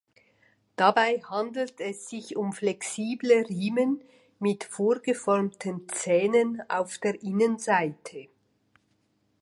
Dabei handelt es sich um flexible Riemen mit vorgeformten Zähnen auf der Innenseite.